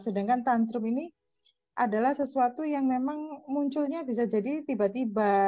sedangkan tantrum ini adalah sesuatu yang memang munculnya bisa jadi tiba tiba